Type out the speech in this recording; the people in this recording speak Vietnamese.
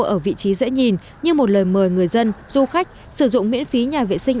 ở vị trí dễ nhìn như một lời mời người dân du khách sử dụng miễn phí nhà vệ sinh